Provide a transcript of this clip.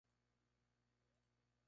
Compone, canta y toca guitarra rítmica.